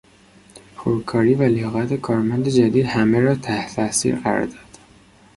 پرکاری و لیاقت کارمند جدید همه را تحت تاثیر قرار داد.